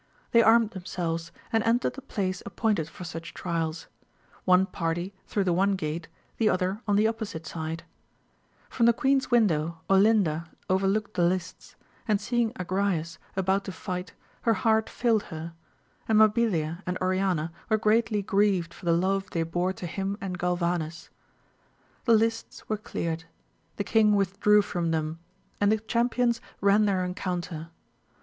They armed themselves, and entered the place ap pointed for such trials; one party through the one gate, the other on the opposite side. From the queen's window Olinda overlooked the lists, and seeing Agrayes about to fight her heart failed her ; and Mabilia and Oriana were gc^2b^i^^ ^\aN<i^iQt 'Os^'^ Vss^n2ws?j \b(c\^^ to AMADIS OF GAUL. 213 him and Galvanes. The lists were cleared : the king withdrew from them, and the champions ran their encounter.